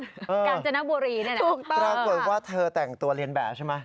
กาญจนบุรีนี่แหละถูกต้องปรากฏว่าเธอแต่งตัวเรียนแบบใช่ไหม